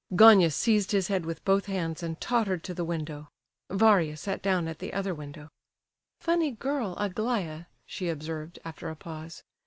Gania seized his head with both hands and tottered to the window; Varia sat down at the other window. "Funny girl, Aglaya," she observed, after a pause.